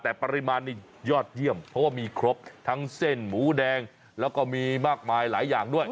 แต่ปริมาณนี้ยอดเยี่ยมเพราะว่ามีครบทั้งเส้นหมูแดงแล้วก็มีมากมายหลายอย่างด้วย